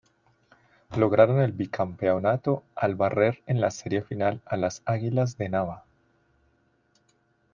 Lograron el Bicampeonato al barrer en la Serie Final a las "Águilas de Nava".